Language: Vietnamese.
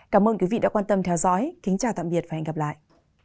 cảm ơn quý vị đã quan tâm theo dõi kính chào tạm biệt và hẹn gặp lại